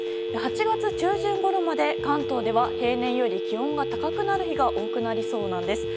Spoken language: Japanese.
８月中旬ごろまで関東では平年より気温が高くなる日が多くなりそうなんです。